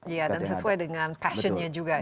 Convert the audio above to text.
iya dan sesuai dengan passionnya juga ya